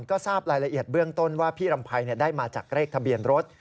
ก็ทราบรายละเอียดเบื้องต้นว่าพี่รำไพรได้มาจากเลขทะเบียนรถ